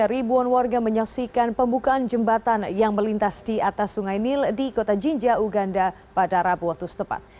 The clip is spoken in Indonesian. ribuan warga menyaksikan pembukaan jembatan yang melintas di atas sungai nil di kota jinja uganda pada rabu waktu setempat